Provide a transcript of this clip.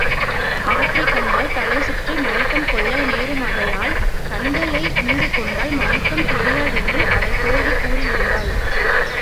அவற்றைக் கண்டால் தலைசுற்றி மயக்கம் கொள்ள நேருமாகையால் கண்களை மூடிக் கொண்டால் மயக்கம் தெரியாதென்று அவள் தோழி கூறியிருந்தாள்.